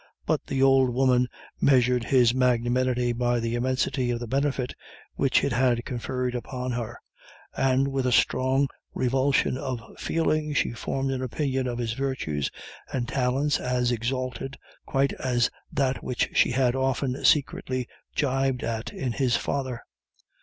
But the old woman measured his magnanimity by the immensity of the benefit which it had conferred upon her, and with a strong revulsion of feeling she formed an opinion of his virtues and talents as exalted quite as that which she had often secretly jibed at in his father.